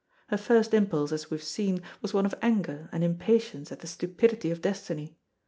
Her first impulse, as we have seen, was one of anger and impatience at the stupidity of destiny.